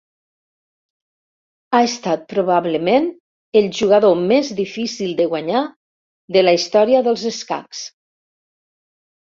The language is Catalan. Ha estat, probablement, el jugador més difícil de guanyar de la història dels escacs.